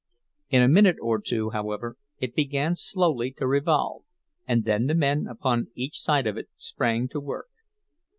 In a minute or two, however, it began slowly to revolve, and then the men upon each side of it sprang to work.